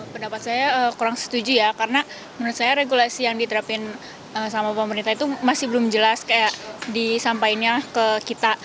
pendapat saya kurang setuju ya karena menurut saya regulasi yang diterapkan sama pemerintah itu masih belum jelas kayak disampaikannya ke kita